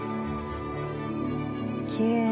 きれい。